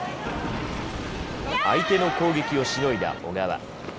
相手の攻撃をしのいだ小川。